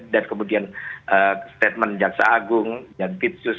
dan kemudian statement jaksa agung jaksus mahfud